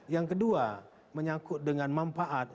yang kedua menyangkut dengan manfaat